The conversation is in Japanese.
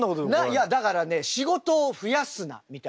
いやだからね仕事をふやすなみたいな。